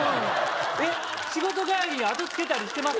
えっ仕事帰りにあとつけたりしてます？